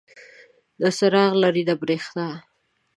نه څراغ لري نه بریښنا.